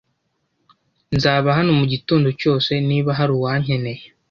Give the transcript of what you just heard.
Nzaba hano mugitondo cyose niba hari uwankeneye.